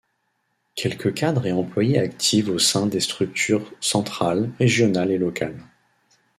Quelque cadres et employés activent au sein des structures centrales, régionales et locales.